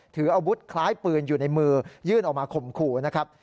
ถืออาวุธคล้ายปืนอยู่ในมือยื่นออกมาข่มขู่นะครับ